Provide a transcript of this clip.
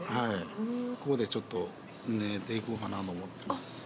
ここでちょっと、寝ていこうかなと思ってます。